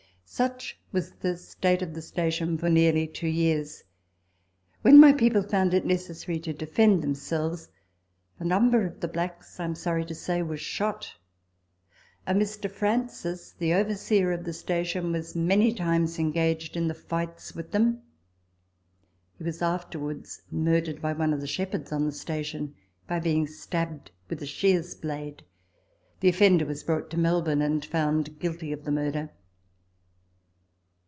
Such was the state of the station for nearly two years. When my people found it necessary to defend themselves, a number of the blacks, I am sorry to say, was shot. A Mr. Francis, the overseer of the station, was many times engaged in the fights with them. He was after wards murdered by one of the shepherds on the station, by being stabbed with a shears blade ; the offender was brought to Mel bourne, and found guilty of the murder.